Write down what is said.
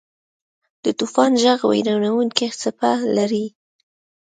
د طوفان ږغ وېرونکې څپه لري.